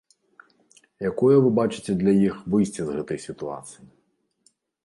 Якое вы бачыце для іх выйсце ў гэтай сітуацыі?